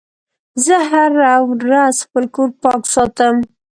زه هره ورځ خپل کور پاک ساتم.